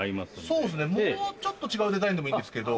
そうですねもうちょっと違うデザインでもいいですけど。